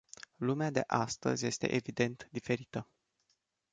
Lumea de astăzi este, evident, diferită.